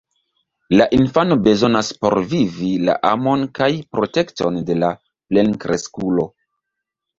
La infano bezonas por vivi la amon kaj protekton de la plenkreskulo.